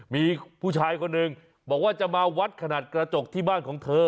มีผู้ชายคนหนึ่งบอกว่าจะมาวัดขนาดกระจกที่บ้านของเธอ